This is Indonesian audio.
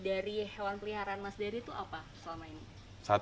dari hewan peliharaan mas dedy itu apa selama ini